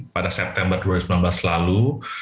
pada september dua ribu sembilan belas lalu